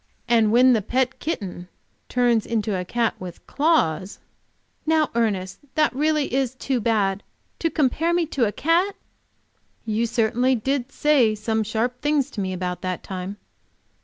And when the pet kitten turns into a cat with claws." "Now, Ernest, that is really too bad! To compare me to a cat!" "You certainly did say some sharp things to me about that time."